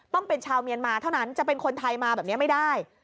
ต้องเป็นชาวเมียนมาเท่านั้นจะเป็นคนไทยมาแบบนี้ไม่ได้